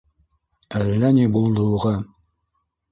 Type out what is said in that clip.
Әллә ни булды уға.